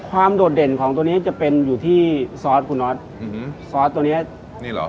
ความโดดเด่นของตัวนี้จะเป็นอยู่ที่ซอสอืมฮือซอสตัวเนี้ยนี่เหรอ